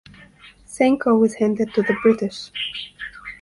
Sankoh was handed to the British.